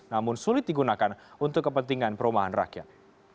namun sulit digunakan untuk kepentingan perumahan rakyat